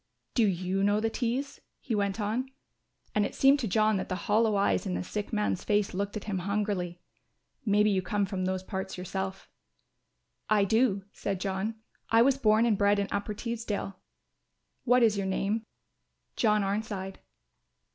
"Do you know the Tees?" he went on; and it seemed to John that the hollow eyes in the sick man's face looked at him hungrily. "Maybe you come from those parts yourself." "I do," said John; "I was born and bred in Upper Teesdale." "What is your name?" "John Arnside."